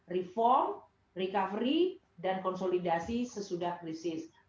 reform recovery dan konsolidasi sesudah krisis